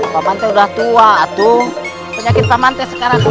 paman teh udah tua atuh penyakit pamanteh sekarang